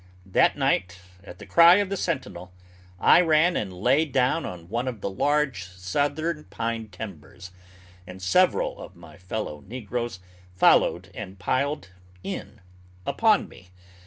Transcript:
That night, at the cry of the sentinel, I ran and lay down on one of the large southern pine timbers, and several of my fellow negroes followed and piled in upon me.